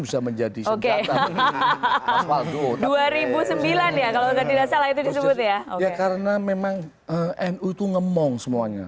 bisa menjadi oke hahaha hal hal juga dua ribu sembilan ya kalau gak tidak salah itu disebut ya ya karena memang nu itu ngemong semuanya